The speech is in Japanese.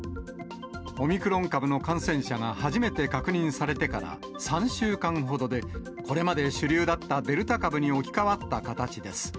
オミクロン株の感染者が初めて確認されてから３週間ほどで、これまで主流だったデルタ株に置き換わった形です。